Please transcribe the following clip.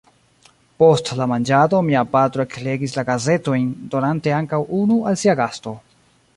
Post la manĝado mia patro eklegis la gazetojn, donante ankaŭ unu al sia gasto.